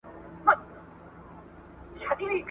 وختونه به تیریږي دا ژوندون به سبا نه وي `